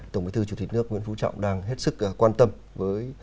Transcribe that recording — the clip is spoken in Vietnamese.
tổng bí thư chủ tịch nước nguyễn phú trọng đang hết sức quan tâm với